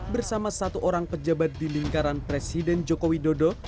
bersama satu orang pejabat di lingkaran presiden jokowi dodo